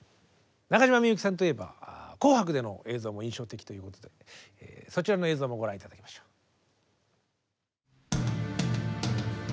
中島みゆきさんといえば「紅白」での映像も印象的ということでそちらの映像もご覧頂きましょう。